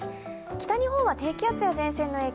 北日本は低気圧や前線の影響